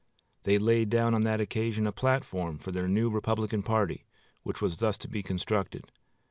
They laid down on that occasion a platform for their new Republican party, which was thus to be constructed.